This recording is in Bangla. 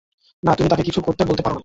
না, তুমি তাকে কিছু করতে বলতে পার না।